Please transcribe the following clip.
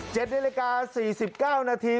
เจ็ดในรายการ๔๙นาที